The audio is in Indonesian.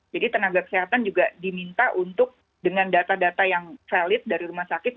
jadi tenaga kesehatan juga diminta untuk dengan data data yang valid dari rumah sakit